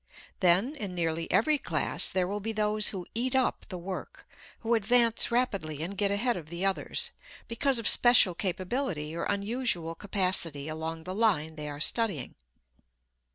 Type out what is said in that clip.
Then, in nearly every class, there will be those who "eat up" the work, who advance rapidly and get ahead of the others, because of special capability or unusual capacity along the line they are studying.